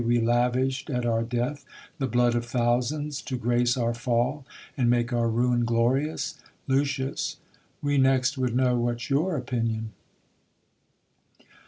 We lavish'd at our death the blood of thousands, To grace our fall, and make our ruin glorious ? Lucius, we next would know what's your opinion